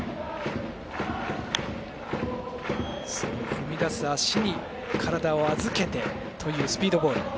その踏み出す足に体を預けてというスピードボール。